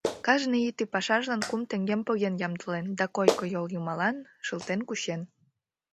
Кажне ий ты пашажлан кум теҥгем поген ямдылен да койко йол йымалан шылтен кучен.